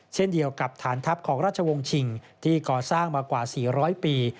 เช่นเดียวกับฐานทัพของราชวงศ์ชิงที่ก่อสร้างมากว่า๔๐๐ปี